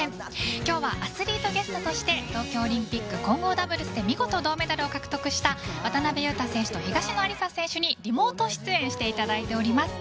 今日はアスリートゲストとして東京オリンピック混合ダブルスで見事、銅メダルを獲得した渡辺勇大選手と東野有紗選手にリモート出演していただいております。